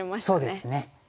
そうですね。